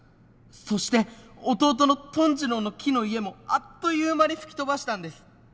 そして弟のトン二郎の木の家もあっという間に吹き飛ばしたんです。